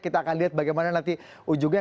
kita akan lihat bagaimana nanti ujungnya